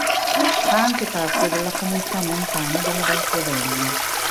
Fa anche parte della Comunità Montana della Valchiavenna.